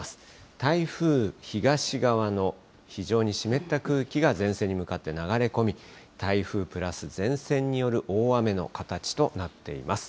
台風東側の非常に湿った空気が前線に向かって流れ込み、台風プラス前線による大雨の形となっています。